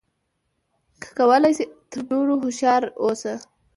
که کولای شې تر نورو هوښیار اوسه.